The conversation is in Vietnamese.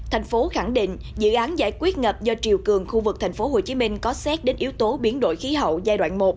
thành phố khẳng định dự án giải quyết ngập do triều cường khu vực tp hcm có xét đến yếu tố biến đổi khí hậu giai đoạn một